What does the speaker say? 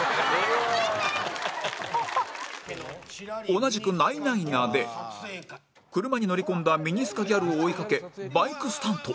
同じく『ナイナイナ』で車に乗り込んだミニスカギャルを追いかけバイクスタント